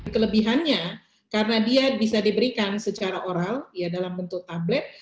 kelebihannya karena dia bisa diberikan secara oral dalam bentuk tablet